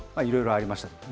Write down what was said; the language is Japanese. いろいろありました。